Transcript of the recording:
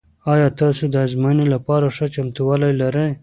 آیا تاسو د ازموینې لپاره ښه چمتووالی لرئ؟